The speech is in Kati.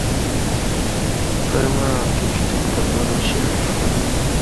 پرمعاں امکی پشتوک تہ بروشیا